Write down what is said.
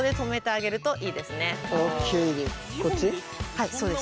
はいそうです。